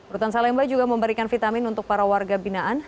rutan salemba juga memberikan vitamin untuk para warga binaan